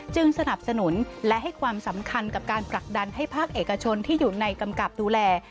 สนับสนุนและให้ความสำคัญกับการผลักดันให้ภาคเอกชนที่อยู่ในกำกับดูแล